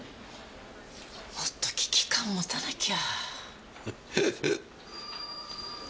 もっと危機感持たなきゃ。